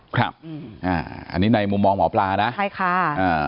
ครับอันนี้ในมุมมองหมอปลานะ